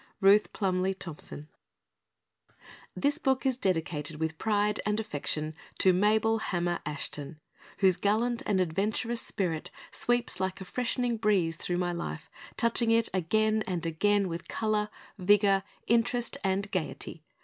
_ RUTH PLUMLY THOMPSON. 110 Schoolhouse Lane, Ardmore, Pennsylvania THIS BOOK IS DEDICATED WITH PRIDE AND AFFECTION TO MABEL HAMMER ASSHETON WHOSE GALLANT AND ADVENTUROUS SPIRIT SWEEPS LIKE A FRESHENING BREEZE THROUGH MY LIFE, TOUCHING IT AGAIN AND AGAIN WITH COLOR, VIGOR, INTEREST AND GAIETY.